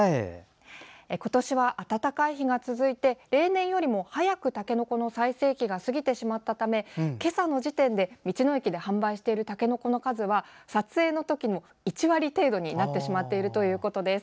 今年は暖かい日が続いて例年よりも早く、たけのこの最盛期が過ぎてしまったため今朝の時点で道の駅で販売しているたけのこの数は撮影の時の１割程度になってしまっているということです。